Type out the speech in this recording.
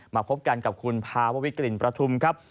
มาพบกันกับคุณภาววิกลิ่นประทุมครับ